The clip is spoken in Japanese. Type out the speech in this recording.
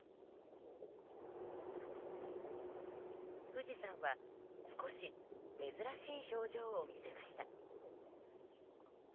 富士山は少し珍しい表情を見せました。